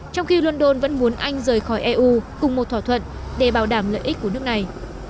trong khi london vẫn muốn anh rời khỏi eu cùng một thỏa thuận để bảo đảm lợi ích của nước này